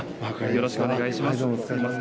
よろしくお願いします。